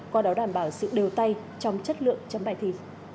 qua đó đảm bảo sự đều tay trong chất lượng chấm bài thi